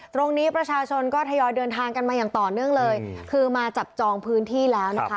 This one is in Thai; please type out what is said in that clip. ประชาชนก็ทยอยเดินทางกันมาอย่างต่อเนื่องเลยคือมาจับจองพื้นที่แล้วนะคะ